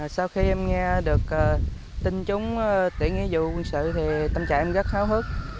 sau khi em nghe được tin trúng tuyển nghĩa vụ quân sự thì tâm trạng em rất hào hức